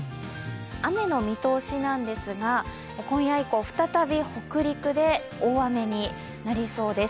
雨の見通しなんですが今夜以降、再び北陸で大雨になりそうです。